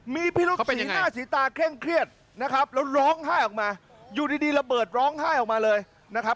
มีพิรุษสีหน้าสีตาเคร่งเครียดนะครับแล้วร้องไห้ออกมาอยู่ดีระเบิดร้องไห้ออกมาเลยนะครับ